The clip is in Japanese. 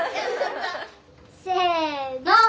せの。